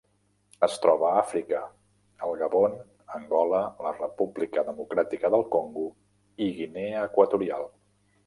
Es troba a Àfrica: el Gabon, Angola, la República Democràtica del Congo i Guinea Equatorial.